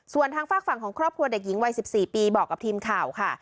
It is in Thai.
ส่วนทางฝากฝั่งของครอบครัวเด็กหญิงวัย๑๔ปีบอกกับทีมข่าวค่ะ